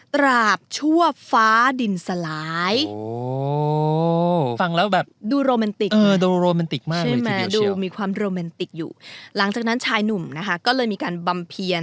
กราบชวบฟ้าดินสลาย